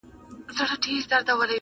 نو بیا ولي ګیله من یې له اسمانه!!